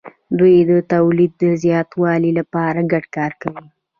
دوی د تولید د زیاتوالي لپاره ګډ کار کوي.